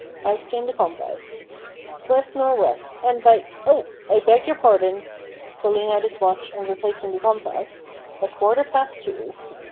Out came the compass. "West nor' west, and by Oh! I beg your pardon," (pulling out his watch and replacing the compass), "a quarter past two."